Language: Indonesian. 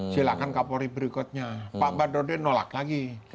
silahkan kapolri berikutnya pak badodin nolak lagi